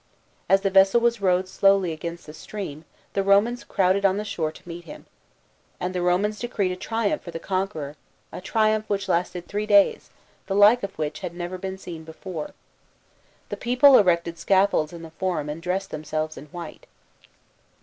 As the vessel was rowed slowly against the stream, the Romans crowded on the shore to meet him. And the Romans decreed a triumph for the conqueror a triumph, which lasted three days, the like of which had never been seen before. The people erected scaffolds in the Forum and dressed them selves in white.